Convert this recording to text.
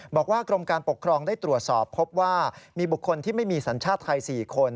บอกว่ากรมการปกครองได้ตรวจสอบพบว่ามีบุคคลที่ไม่มีสัญชาติไทย๔คน